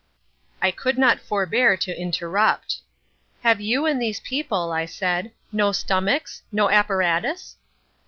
I could not forbear to interrupt. "Have you and these people," I said, "no stomachs—no apparatus?"